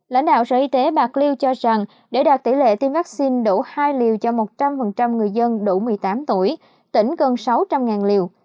lãnh đạo sở y tế bạc liêu cho rằng để đạt tỷ lệ tiêm vaccine đủ hai liều cho một trăm linh người dân đủ một mươi tám tuổi tỉnh gần sáu trăm linh liều